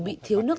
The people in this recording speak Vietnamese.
bị thiếu nước